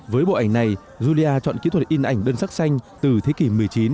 với bộ ảnh này julia chọn kỹ thuật in ảnh đơn sắc xanh từ thế kỷ một mươi chín